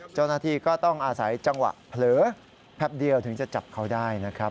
เจ้าหน้าที่ก็ต้องอาศัยจังหวะเผลอแพบเดียวถึงจะจับเขาได้นะครับ